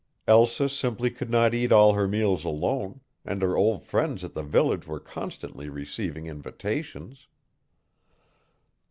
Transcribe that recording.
Elsa simply could not eat all her meals alone, and her old friends at the village were constantly receiving invitations.